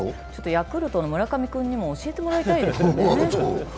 ヤクルトの村上君にも教えてもらいたいですね。